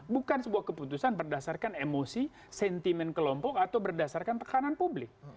bukan sebuah keputusan berdasarkan emosi sentimen kelompok atau berdasarkan tekanan publik